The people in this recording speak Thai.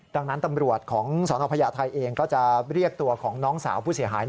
ดังนั้นตำรวจของสนพญาไทยเองก็จะเรียกตัวของน้องสาวผู้เสียหาย